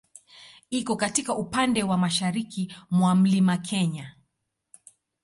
Iko katika upande wa mashariki mwa Mlima Kenya.